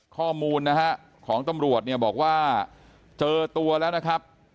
ข้อมูลของตำรวจบอกว่าเจอตัวแล้วนะครับ